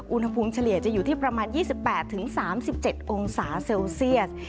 เฉลี่ยจะอยู่ที่ประมาณ๒๘๓๗องศาเซลเซียส